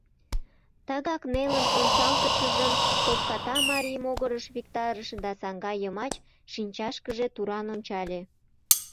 Тыгак нелын ончалтышыжым топката марий могырыш виктарыш да саҥга йымач шинчашкыже туран ончале.